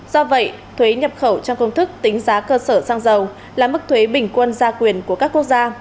do vậy thuế nhập khẩu trong công thức tính giá cơ sở xăng dầu là mức thuế bình quân ra quyền của các quốc gia